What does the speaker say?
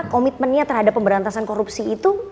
komitmennya terhadap pemberantasan korupsi itu